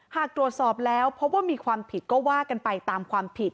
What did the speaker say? หากตรวจสอบแล้วพบว่ามีความผิดก็ว่ากันไปตามความผิด